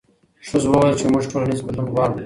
ښځو وویل چې موږ ټولنیز بدلون غواړو.